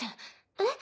えっ？